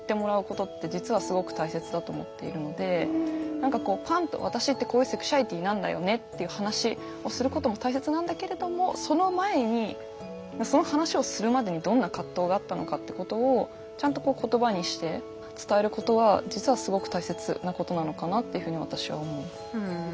何かこうパンと私ってこういうセクシュアリティーなんだよねっていう話をすることも大切なんだけれどもその前にその話をするまでにどんな葛藤があったのかってことをちゃんとこう言葉にして伝えることは実はすごく大切なことなのかなっていうふうに私は思う。